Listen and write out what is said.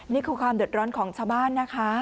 นี่คือความเดือดร้อนของชาวบ้านนะคะ